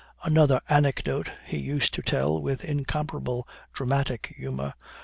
"Another anecdote he used to tell with incomparable dramatic humor.